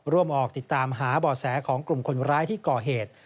ร่วมออกติดตามหาบ่อแสของกลุ่มคนร้ายที่ก่อเหตุ